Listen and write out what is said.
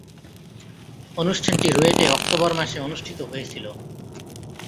অনুষ্ঠানটি রুয়েটে অক্টোবর মাসে অনুষ্ঠিত হয়েছিলো।